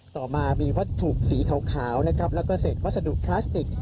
ต่อมามีวัตถุสีขาวและเศษวัสดุคลาสติก